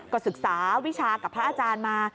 ก็ศึกษาวิชากับพระอาจารย์มา